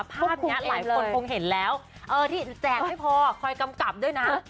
ภาพนี้หลายคนคงเห็นแล้วที่แจกไม่พอคอยกำกับด้วยนะ